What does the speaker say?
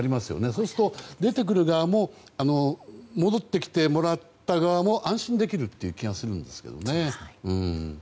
そうすると出てくる側も戻ってきてもらった側も安心できる気がするんですけどね。